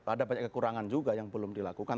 ada banyak kekurangan juga yang belum dilakukan